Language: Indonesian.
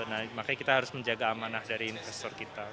nah makanya kita harus menjaga amanah dari investor kita